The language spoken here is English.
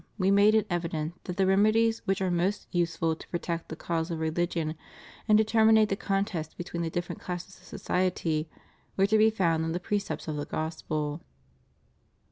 We made it evident that the remedies which are most useful to protect the cause of religion, and to terminate the contest between the different classes of society, were to be found in the pre cepts of the Gospel.